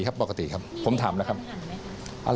คุณผู้ชมคุณผู้ชมคุณผู้ชมคุณผู้ชมคุณผู้ชม